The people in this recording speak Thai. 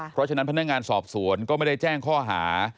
เพราะฉะนั้นพนักงานสอบสวนก็ไม่ได้แจ้งข้อหา